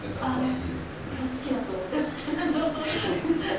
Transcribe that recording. うそつきだと思っていました。